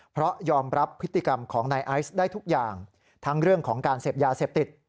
เพราะยอมรับพฤติกรรมของนายไอซ์ได้ทุกอย่างทั้งเรื่องของการเสพยาเสพติด